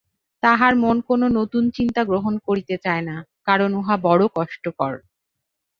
তাহার মন কোন নূতন চিন্তা গ্রহণ করিতে চায় না, কারণ উহা বড় কষ্টকর।